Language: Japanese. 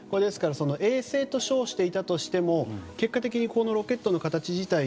衛星と称していたとしても結果的に、このロケットの形自体